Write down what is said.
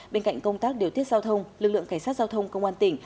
bên cạnh công tác điều tiết giao thông lực lượng cảnh sát giao thông công an tỉnh